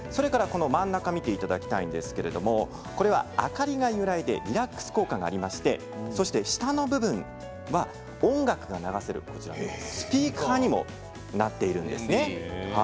真ん中、見ていただきたいんですけれどもこれは明かりが揺らいでリラックス効果がありましてそして下の部分が音楽が流せるスピーカーにもなっているんですね。